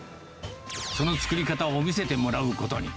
その作り方を見せてもらうことに。